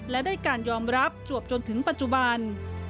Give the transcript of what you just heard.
และได้การยอมรับจวบจนถึงปัจจุบัน